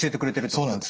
そうなんです。